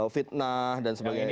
fitnah dan sebagainya